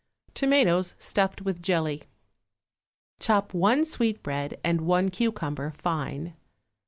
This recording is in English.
=Tomatoes Stuffed with Jelly.= Chop one sweetbread and one cucumber fine.